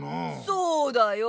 そうだよ！